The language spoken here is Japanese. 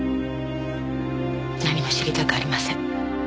何も知りたくありません。